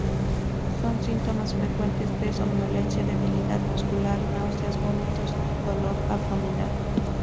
Son síntomas frecuentes la somnolencia, debilidad muscular, náuseas, vómitos y dolor abdominal.